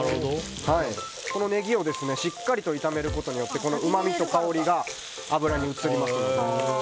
このネギをしっかりと炒めることによってうまみと香りが油に移りますので。